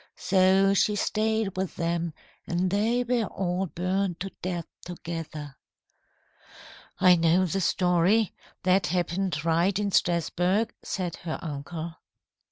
So she stayed with them and they were all burned to death together." "I know the story. That happened right in Strasburg," said her uncle.